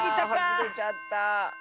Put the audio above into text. はずれちゃった！